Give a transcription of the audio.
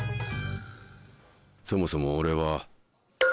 そもそも俺は。